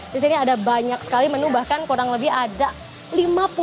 disini ada banyak sekali menu bahkan kurang lebih ada lima puluh menu